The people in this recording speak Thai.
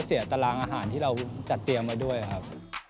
เสียตารางอาหารที่เราจัดเตรียมไว้ด้วยครับ